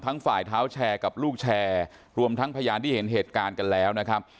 ฝ่ายเท้าแชร์กับลูกแชร์รวมทั้งพยานที่เห็นเหตุการณ์กันแล้วนะครับ